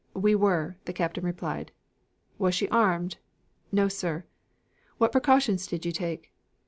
"We were," the Captain replied. "Was she armed?" "No, sir." "What precautions did you take?"